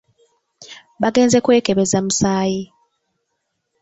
Bagenze kwekebeza musaayi.